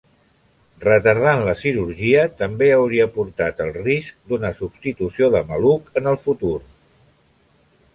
Retardant la cirurgia també hauria portat el risc d'una substitució de maluc en el futur.